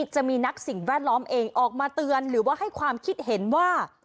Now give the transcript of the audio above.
จะมีนักสิ่งแวดล้อมเองออกมาเตือนหรือว่าให้ความคิดเห็นว่า